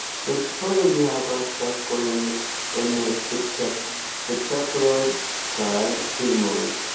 Kelkfoje li havas taskojn en spektakloj kaj filmoj.